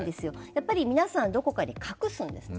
やっぱり皆さんどこかに隠すんです。